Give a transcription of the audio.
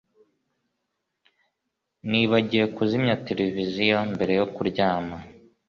Nibagiwe kuzimya televiziyo mbere yo kuryama